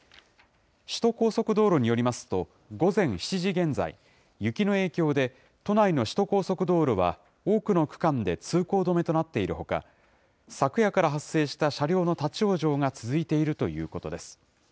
首都高速道路によりますと、午前７時現在、雪の影響で、都内の首都高速道路は多くの区間で通行止めとなっているほか、昨夜から発生した車両の立往生が続いているということです。